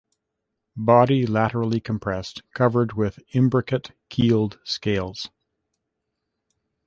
Body laterally compressed, covered with imbricate keeled scales.